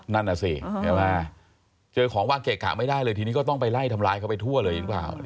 นั่นอ่ะสิเจอของวางเกะกะไม่ได้เลยทีนี้ก็ต้องไปไล่ทำร้ายเขาไปทั่วเลย